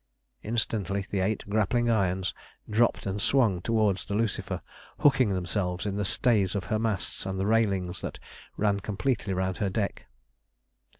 Instantly the eight grappling irons dropped and swung towards the Lucifer, hooking themselves in the stays of her masts and the railing that ran completely round her deck.